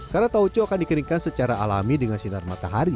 karena taucho akan dikeringkan secara alami dengan sinar matahari